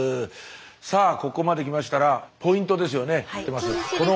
さあここまできましたらポイントですよね。